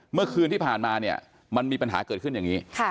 เมื่อคืนที่ผ่านมาเนี่ยมันมีปัญหาเกิดขึ้นอย่างนี้